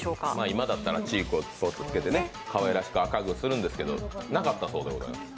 今だったらチークをつけてかわいらしくするんですけどなかったそうでございます。